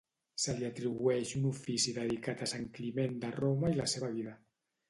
Se li atribueix un ofici dedicat a Sant Climent de Roma i la seva vida.